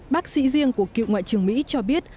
bác sĩ riêng của cựu ngoại trưởng mỹ cho biết